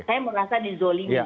saya merasa dizolimi